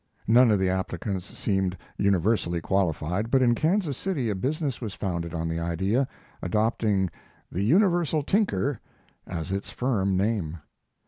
None of the applicants seemed universally qualified, but in Kansas City a business was founded on the idea, adopting "The Universal Tinker" as its firm name.